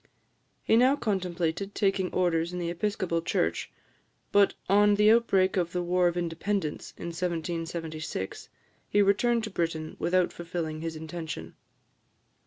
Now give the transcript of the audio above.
He now contemplated taking orders in the Episcopal Church, but on the outbreak of the War of Independence in 1776 he returned to Britain without fulfilling this intention.